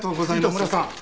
糸村さん